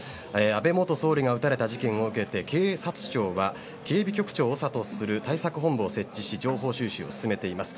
安倍元総理が撃たれた事件を受けて、警察庁は警備局長を長とする対策本部を設置して情報収集を進めています。